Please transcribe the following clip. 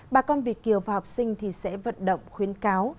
bà con việt kiều và học sinh sẽ vận động khuyến cáo